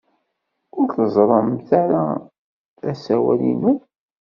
Ur teẓrimt ara asawal-inu?